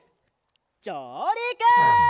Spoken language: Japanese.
じょうりく！